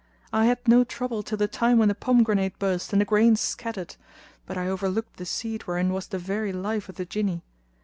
I had no trouble till the time when the pomegranate burst and the grains scattered, but I overlooked the seed wherein was the very life of the Jinni.